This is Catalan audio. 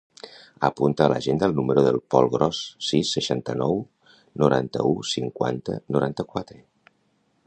Apunta a l'agenda el número del Pol Gros: sis, seixanta-nou, noranta-u, cinquanta, noranta-quatre.